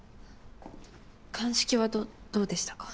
鑑識はどどうでしたか？